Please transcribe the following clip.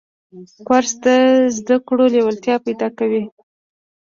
کورس د زده کړو لیوالتیا پیدا کوي.